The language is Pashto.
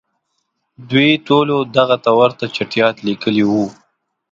دوی ټولو دغه ته ورته چټیاټ لیکلي وو.